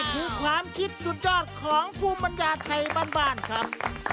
นี่คือความคิดสุดยอดของผู้บรรยาไทยบ้านครับ